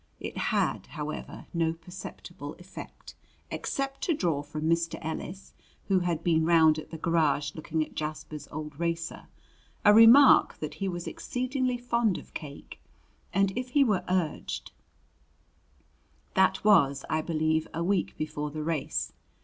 It had, however, no perceptible effect, except to draw from Mr. Ellis, who had been round at the garage looking at Jasper's old racer, a remark that he was exceedingly fond of cake, and if he were urged That was, I believe, a week before the race.